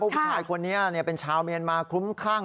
พวกผู้ชายคนนี้เป็นชาวเมียนมาคุ้มข้าง